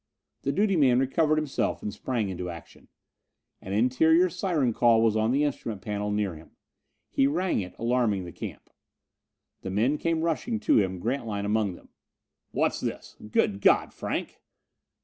The duty man recovered himself and sprang into action. An interior siren call was on the instrument panel near him. He rang it, alarming the camp. The men came rushing to him, Grantline among them. "What's this? Good God, Franck!"